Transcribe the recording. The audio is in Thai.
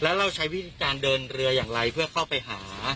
แล้วเราใช้วิธีการเดินเรืออย่างไรเพื่อเข้าไปหา